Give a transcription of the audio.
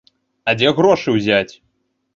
А дзе грошы ўзяць?